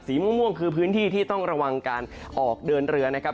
ม่วงคือพื้นที่ที่ต้องระวังการออกเดินเรือนะครับ